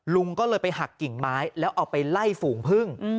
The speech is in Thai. ลุงก็เลยไปหักกิ่งไม้แล้วเอาไปไล่ฝูงพึ่ง